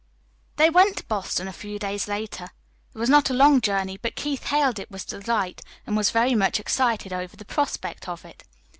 They went to Boston a few days later. It was not a long journey, but Keith hailed it with delight, and was very much excited over the prospect of it.